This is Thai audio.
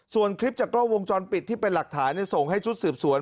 ส่วนคลิปจากกล้องวงจรปิดที่เป็นหลักฐานส่งให้ชุดสืบสวน